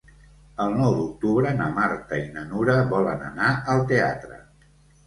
El nou d'octubre na Marta i na Nura volen anar al teatre.